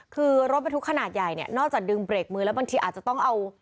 คือรถบรรทุกขนาดใหญ่เนี่ยนอกจากดึงเบรกมือแล้วบางทีอาจจะต้องเอา